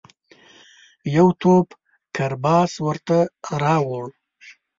یو توپ کرباس ورته راووړ.